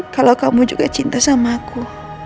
kalau kamu juga cinta sama aku